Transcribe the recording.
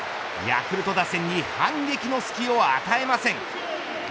ヤクルト打線に反撃のすきを与えません。